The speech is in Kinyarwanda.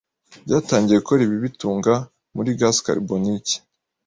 byatangiye gukora ibibitunga muri gazi karubonike